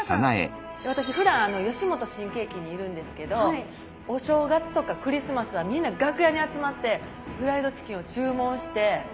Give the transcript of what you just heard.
私ふだん吉本新喜劇にいるんですけどお正月とかクリスマスはみんな楽屋に集まってフライドチキンを注文してみんなで食べるんです。